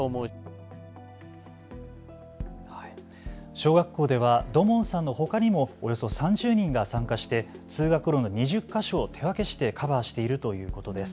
小学校では土門さんのほかにもおよそ３０人が参加して通学路の２０か所を手分けしてカバーしているということです。